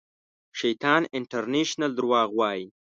شیطان انټرنېشنل درواغ وایي